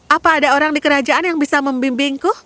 apa ada orang di kerajaan yang bisa membimbingku